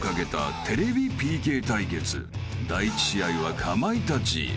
［第１試合はかまいたち］